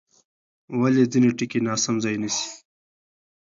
ولې ځینې ټکي ناسم ځای نیسي؟